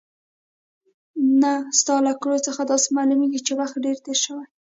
نه، ستا له کړو څخه داسې معلومېږي چې وخت دې تېر شوی.